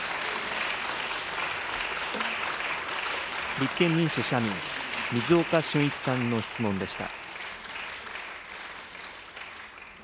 立憲民主・社民、水岡俊一さんの質問でした。